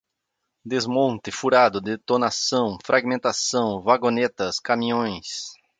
desmonte, furado, detonação, fragmentação, vagonetas, caminhões